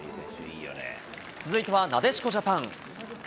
続いてはなでしこジャパン。